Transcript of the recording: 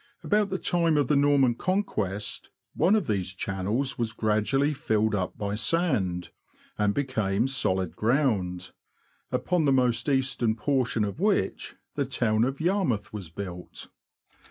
About the time of the Norman Conquest, one of these channels was gradually filled up by sand, and became solid ground, upon the most eastern portion of which the town of Yarmouth was built.